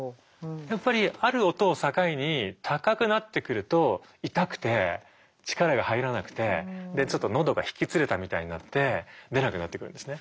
やっぱりある音を境に高くなってくると痛くて力が入らなくてちょっと喉がひきつれたみたいになって出なくなってくるんですね。